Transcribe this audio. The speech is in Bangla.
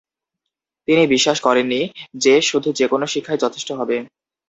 তিনি বিশ্বাস করেননি, যে, শুধু যে কোন শিক্ষাই যথেষ্ট হবে।